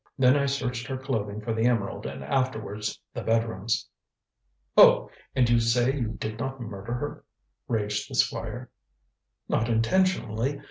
Then I searched her clothing for the emerald and afterwards the bedrooms." "Oh! And you say you did not murder her?" raged the Squire. "Not intentionally.